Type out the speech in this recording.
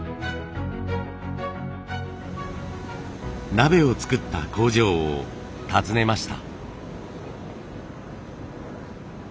鍋を作った工場を訪ねました。